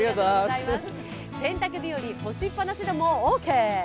洗濯日和、干しっぱなしでもオーケー。